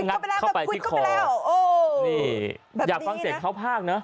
คุยเข้าไปแล้วคุยเข้าไปแล้วอยากฟังเสียงเคราะห์ภาคเนอะ